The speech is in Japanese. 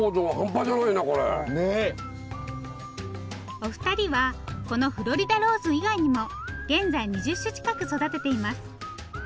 お二人はこのフロリダローズ以外にも現在２０種近く育てています。